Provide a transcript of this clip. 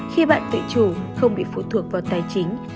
khi bạn tự chủ không bị phụ thuộc vào tài chính